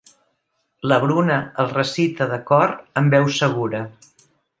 La Bruna el recita de cor amb veu segura.